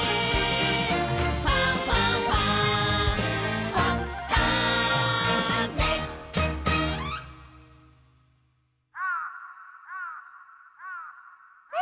「ファンファンファン」あ